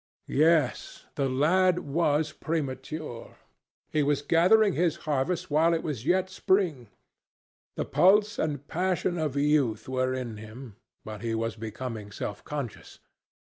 Yes, the lad was premature. He was gathering his harvest while it was yet spring. The pulse and passion of youth were in him, but he was becoming self conscious.